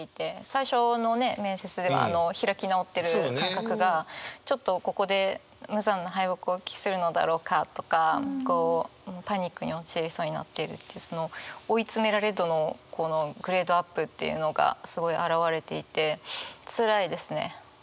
最初のね面接では開き直ってる感覚がちょっとここで「無残な敗北を喫するのだろうか」とかこう「パニックに陥りそうになっている」っていうその追い詰められ度のこのグレードアップっていうのがすごい表れていてつらいですね。